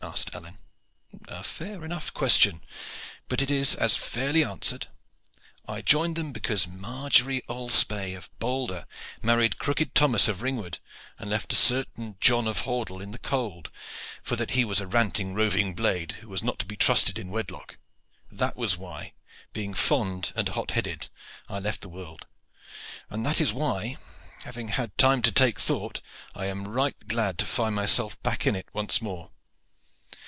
asked Alleyne. "A fair enough question; but it is as fairly answered. I joined them because Margery Alspaye, of Bolder, married Crooked Thomas of Ringwood, and left a certain John of Hordle in the cold, for that he was a ranting, roving blade who was not to be trusted in wedlock. That was why, being fond and hot headed, I left the world; and that is why, having had time to take thought, I am right glad to find myself back in it once more.